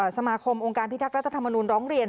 สมาคมองค์การพิทักษ์รัฐธรรมนูลร้องเรียน